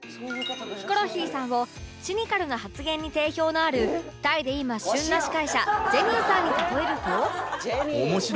ヒコロヒーさんをシニカルな発言に定評のあるタイで今旬な司会者ジェニーさんに例えると